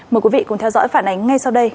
mời quý vị cùng theo dõi phản ánh ngay sau đây